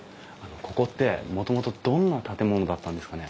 ここってもともとどんな建物だったんですかね？